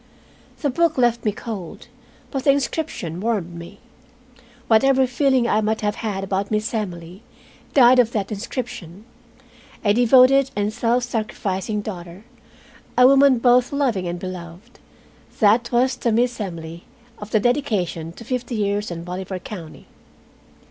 The book left me cold, but the inscription warmed me. Whatever feeling I might have had about Miss Emily died of that inscription. A devoted and self sacrificing daughter, a woman both loving and beloved, that was the Miss Emily of the dedication to "Fifty years in Bolivar County."